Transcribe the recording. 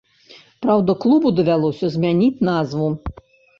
Праўда, клубу давялося змяніць назву.